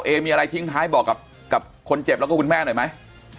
เอมีอะไรทิ้งท้ายบอกกับคนเจ็บแล้วก็คุณแม่หน่อยไหม